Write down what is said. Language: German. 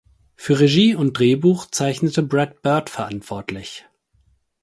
Für Regie und Drehbuch zeichnete Brad Bird verantwortlich.